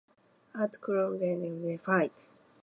At Groom Lake, it was then re-assembled for flight.